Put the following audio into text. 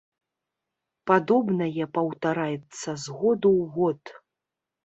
Падобнае паўтараецца з году ў год.